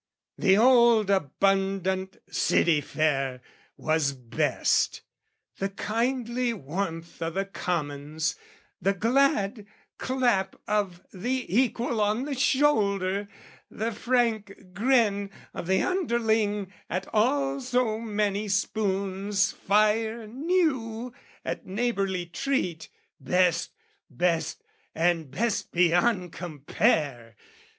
The old abundant city fare was best, The kindly warmth o' the commons, the glad clap Of the equal on the shoulder, the frank grin Of the underling at all so many spoons Fire new at neighbourly treat, best, best and best Beyond compare!